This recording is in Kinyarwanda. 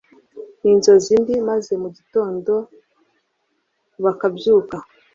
ninzozi mbi maze mugitondo bakabyuka